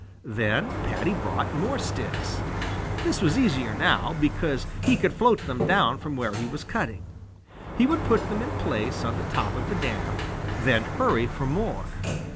Then Paddy brought more sticks. This was easier now, because he could float them down from where he was cutting. He would put them in place on the top of the dam, then hurry for more.